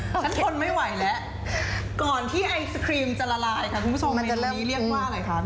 ฉันทนไม่ไหวแล้วคุณผู้ชมในตรงนี้เรียกว่าอะไรคะ